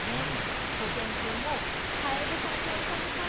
しゅと犬くんもカエルさん、うさぎさん